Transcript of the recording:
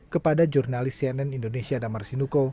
kepada jurnalis cnn indonesia damar sinuko